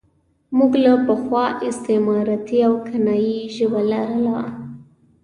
موږ له پخوا استعارتي او کنايي ژبه لاره.